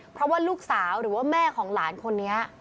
เพราะว่าลูกสาวหรือว่าแม่ของหลานคนนี้